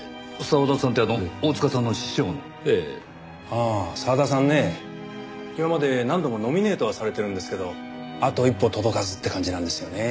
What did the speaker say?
ああ澤田さんね。今まで何度もノミネートはされてるんですけどあと一歩届かずって感じなんですよねえ。